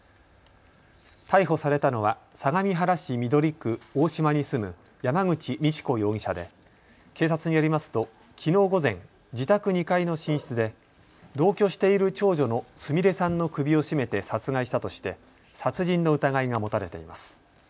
逮捕されたのは相模原市緑区大島に住む山口美智子容疑者で警察によりますと、きのう午前、自宅２階の寝室で同居している長女の菫さんの首を絞めて殺害したとして殺人の疑いが持たれています。